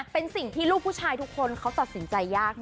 เป็นสิ่งที่ลูกผู้ชายทุกคนเขาตัดสินใจยาก